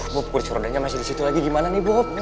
bob kursi rodanya masih disitu lagi gimana nih bob